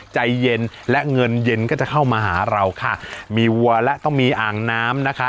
ใจเย็นและเงินเย็นก็จะเข้ามาหาเราค่ะมีวัวและต้องมีอ่างน้ำนะคะ